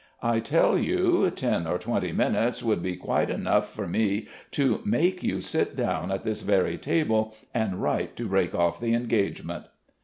I tell you, ten or twenty minutes would be quite enough for me to make you sit down at this very table and write to break off the engagement.'